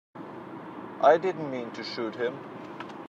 I didn't mean to shoot him.